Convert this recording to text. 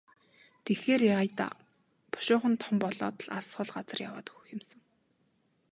Тэгэхээр яая даа, бушуухан том болоод л алс хол газар яваад өгөх юм сан.